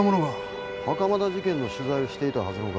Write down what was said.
袴田事件の取材をしていたはずのガイ者が何で？